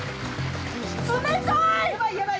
冷たい！